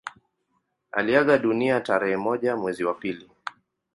Aliaga dunia tarehe moja mwezi wa pili